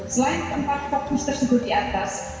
selain empat fokus tersebut di atas